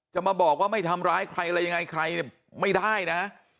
จะมาบอกว่าไม่ทำร้ายใครอะไรยังไงใครเนี่ยไม่ได้นะ